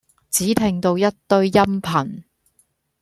只聽到一堆音頻